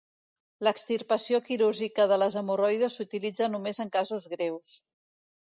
L'extirpació quirúrgica de les hemorroides s'utilitza només en casos greus.